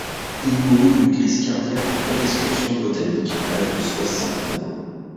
Il mourut d'une crise cardiaque en pleine excursion botanique, à l'âge de soixante-neuf ans.